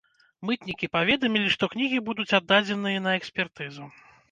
Мытнікі паведамілі, што кнігі будуць аддадзеныя на экспертызу.